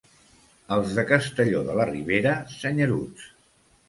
Els de Castelló de la Ribera, senyeruts.